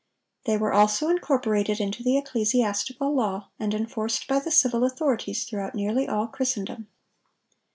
They were also incorporated into the ecclesiastical law, and enforced by the civil authorities throughout nearly all Christendom.